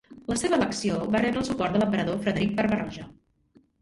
La seva elecció va rebre el suport de l'emperador Frederic Barba-roja.